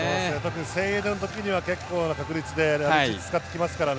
セイエドの時には結構な確率でこれを使ってきますからね。